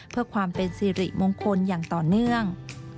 เพื่อความเป็นสิริมงคลอย่างต่อเนื่อง